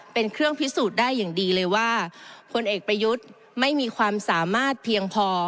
เป็นเครื่องพิสูจน์ได้อย่างดีเลยว่าพลเอกประยุทธ์ไม่มีความสามารถเพียงพอ